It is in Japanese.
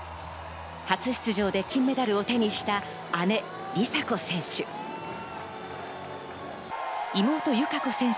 初出場で金メダルを手にした、姉・梨紗子選手。